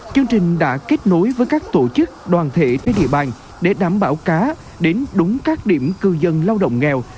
chương trình đã kết nối với các tổ chức đoàn thể trên địa bàn để đảm bảo cá đến đúng các điểm cư dân lao động nghèo